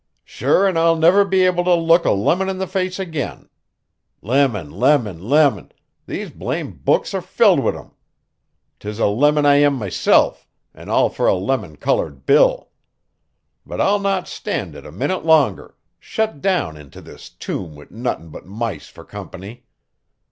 "Sure 'n I'll niver be able to look a limon in the face agin. Limon, limon, limon these blame books are filled wit' 'em. 'Tis a limon I am mesilf an' all fer a limon colored bill. But I'll not stand it a minute longer, shut down into this tomb wit' nothin' but mice fer comp'ny.